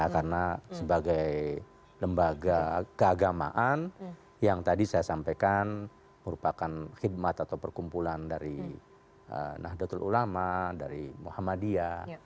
karena sebagai lembaga keagamaan yang tadi saya sampaikan merupakan khidmat atau perkumpulan dari nahdlatul ulama dari muhammadiyah